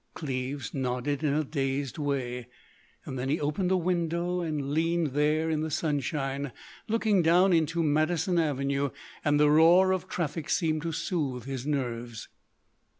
Cleves nodded in a dazed way. Then he opened a window and leaned there in the sunshine, looking down into Madison Avenue. And the roar of traffic seemed to soothe his nerves.